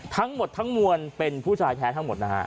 ทั้งหมดทั้งมวลเป็นผู้ชายแท้ทั้งหมดนะฮะ